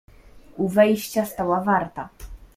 "U wejścia stała warta."